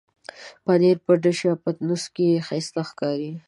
پنېر په ډش یا پتنوس کې ښايسته ښکاري.